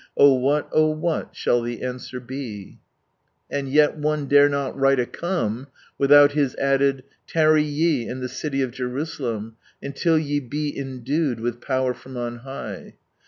Oh what, oh what, shall the amnrer bt f " And yet one dare not write a " Come " without His added, " Tarry ye in tht ] diy of /erusiilem until ye he endued with pcwer from on liigh."